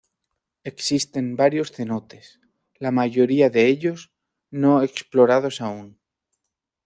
Existen varios cenotes, la mayoría de ellos no explorados aún.